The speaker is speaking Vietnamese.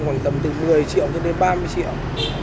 khoảng tầm từ một mươi triệu cho đến ba mươi triệu